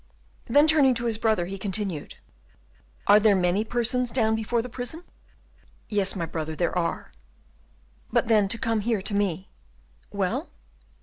Then, turning to his brother, he continued, "Are there many persons down before the prison." "Yes, my brother, there are." "But then, to come here to me " "Well?"